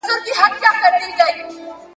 تر قلمه د بېلتون عزرایل راسي.